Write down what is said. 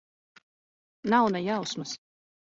Nav ne jausmas.